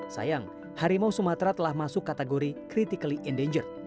sayang harimau sumatera telah masuk kategori critically endangger